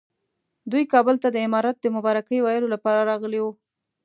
دوی کابل ته د امارت د مبارکۍ ویلو لپاره راغلي وو.